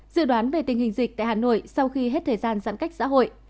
dự đoán về tình hình dịch tại hà nội sau khi hết thời gian giãn cách xã hội